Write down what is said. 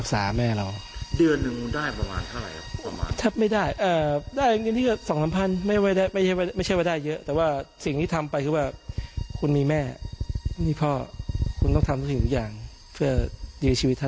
กำไรจากการขายเครื่องรางของขลังเดือนหนึ่งก็ได้สักประมาณ๒๐๐๐บาทก็เท่านั้นแหละ